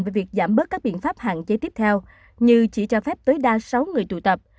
về việc giảm bớt các biện pháp hạn chế tiếp theo như chỉ cho phép tối đa sáu người tụ tập